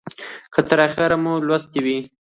که تر اخیره مو لوستې وي